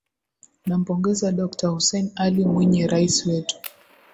Nampongeza Dokta Hussein Ali Mwinyi Rais wetu